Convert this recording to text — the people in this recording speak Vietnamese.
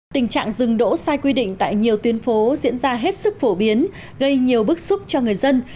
tình trạng dừng đỗ sai quy định tại nhiều tuyến phố diễn ra hết sức phổ biến gây nhiều bức xúc cho người dân